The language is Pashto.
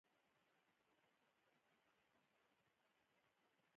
د دې وضع په اړه د پلټنو سر د پخوا وختونو ته رسېږي.